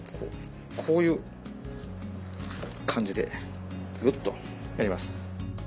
こういう感じでグッとやります。